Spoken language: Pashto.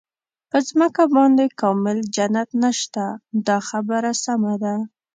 په ځمکه باندې کامل جنت نشته دا خبره سمه ده.